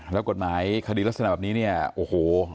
แล้วกฎหมายคดีลักษณะแบบนี้เนี่ยโอ้โห